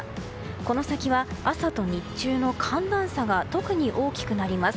この先は朝と日中の寒暖差が特に大きくなります。